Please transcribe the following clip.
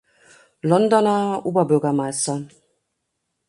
Londoner Oberbürgermeister.